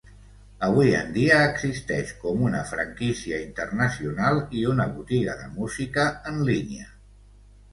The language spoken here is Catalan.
Avui en dia existeix com una franquícia internacional i una botiga de música en línia.